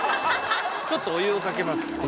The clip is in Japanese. ちょっとお湯をかけます。